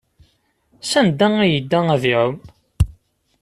Sanda ay yedda ad iɛum?